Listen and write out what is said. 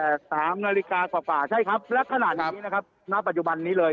ตั้งแต่สามนาฬิกากว่าใช่ครับและขนาดอย่างนี้นะครับณปัจจุบันนี้เลย